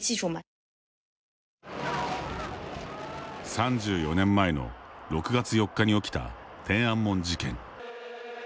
３４年前の６月４日に起きた天安門事件。